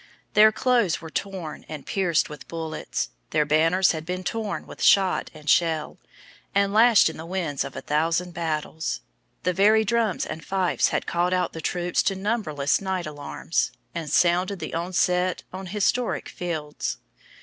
Their clothes were worn and pierced with bullets; their banners had been torn with shot and shell, and lashed in the winds of a thousand battles; the very drums and fifes had called out the troops to numberless night alarms, and sounded the onset on historic fields.